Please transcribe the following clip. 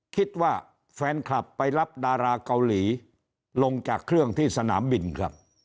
คิดว่าแฟนคลับไปรับดาราเกาหลีลงจากเครื่องที่สนามบินครับ